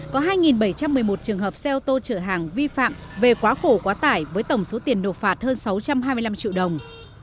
có hai bảy trăm một mươi một trường hợp xe ô tô chở hàng vi phạm về quá khổ quá tải với tổng số tiền nộp phạt hơn sáu trăm hai mươi năm triệu đồng